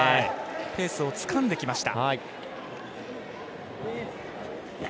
ペースをつかんできました。